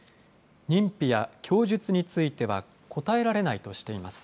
認否や供述については答えられないとしています。